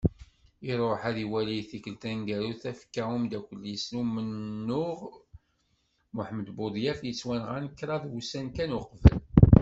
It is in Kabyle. Iṛuḥ, ad iwali i tikkelt taneggarut tafekka n umeddakkel-is n umennuɣ Muḥemmed Buḍyaf i yettwanɣan kraḍ wussan kan uqbel.